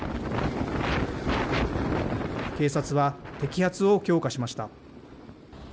警察は摘発を強化しました。